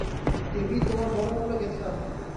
দেবী, তোমার বরমাল্য গেঁথে আনো।